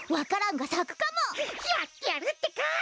やってやるってか。